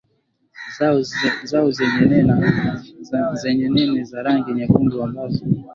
zao zenye nene za rangi nyekundu ambazo